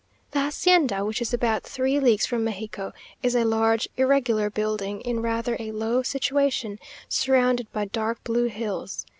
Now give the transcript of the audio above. The hacienda, which is about three leagues from Mexico, is a large irregular building in rather a low situation, surrounded by dark blue hills.